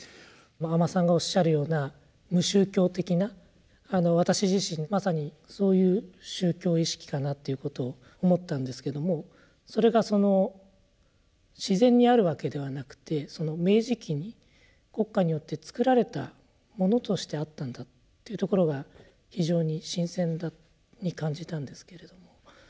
阿満さんがおっしゃるような無宗教的な私自身まさにそういう宗教意識かなということを思ったんですけどもそれがその自然にあるわけではなくて明治期に国家によってつくられたものとしてあったんだというところが非常に新鮮に感じたんですけれども。